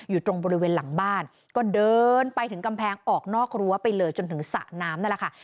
อยู่ตรงบริเวณหลังบ้านก็เดินไปถึงกำแพงออกนอกรั้วไปเลยจนถึงสระน้ำนั่นแหละค่ะ